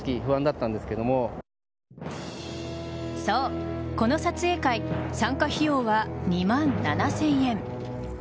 そう、この撮影会参加費用は２万７０００円。